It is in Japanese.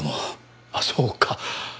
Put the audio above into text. あっそうか。